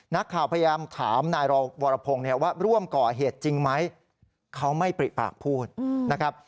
นักข่าวพยายามถามนายวรพงศ์เนี่ยว่าร่วมก่อเหตุจริงไหมเขาไม่ปริปากพูดนะครับ